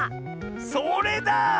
それだ！